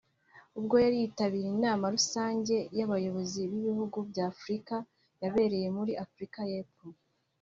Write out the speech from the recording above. ubwo yari yitabiriye inama rusange y’abayobozi b’ibihugu bya Afurika yabereye muri Afurika y’Epfo